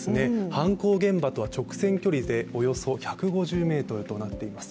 犯行現場とは直線距離でおよそ１５０ｍとなっています。